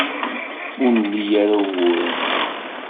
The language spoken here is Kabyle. Ur nli ara uguren.